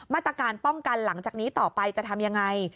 มาตรการป้องกันหลังจากนี้ต่อไปจะทำยังไง